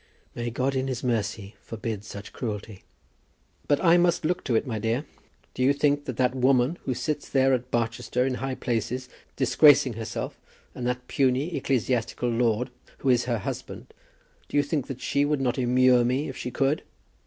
"May God in His mercy forbid such cruelty!" "But I must look to it, my dear. Do you think that that woman, who sits there at Barchester in high places, disgracing herself and that puny ecclesiastical lord who is her husband, do you think that she would not immure me if she could?